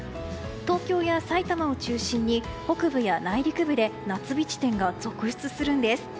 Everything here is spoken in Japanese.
東京や埼玉を中心に北部や内陸部で夏日地点が続出するんです。